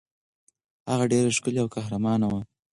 هغه ډېره ښکلې او قهرمانه وه.